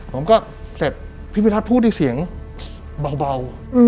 ผมก็เสร็จพี่วิรัติพูดด้วยเสียงเบา